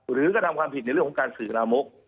กระทำความผิดในเรื่องของการสื่อลามก